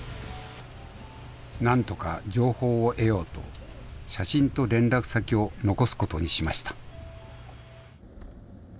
なんとか情報を得ようと写真と連絡先を残すことにしました。